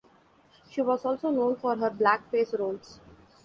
She was also known for her blackface roles.